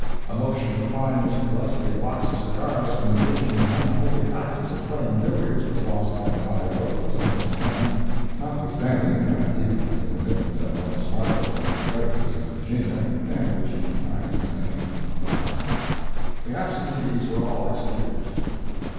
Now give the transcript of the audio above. ] A motion to fine Mr. Gillespie a box of cigars for engaging in the unholy practice of playing billiards, was lost by a tie vote 10 to 10 [notwithstanding that youth has a remittance at Wells Fargo's from his creditors in Virginia, and which he denied the same.—MARK. ] The absentees were all excused.